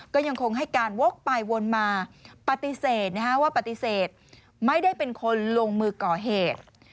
ก็ยังคงให้การวกไปวนมาปฏิเสธว่าปฏิเสธไม่ได้เป็นคนลงมือก่อเหตุ